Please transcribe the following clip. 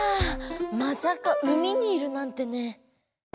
まさか海にいるなんてね。